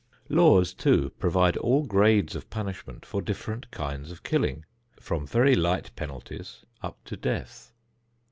Laws, too, provide all grades of punishment for different kinds of killing, from very light penalties up to death.